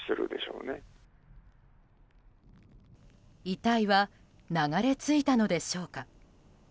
遺体は流れ着いたのでしょうか？